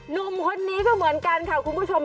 หนุ่มคนนี้ก็เหมือนกันค่ะคุณผู้ชม